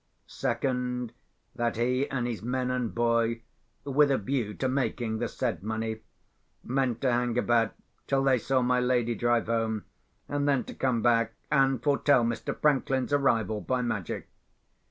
Second, that he and his men and boy (with a view to making the said money) meant to hang about till they saw my lady drive home, and then to come back, and foretell Mr. Franklin's arrival by magic.